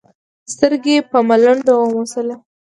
سرګي په ملنډو وموسل.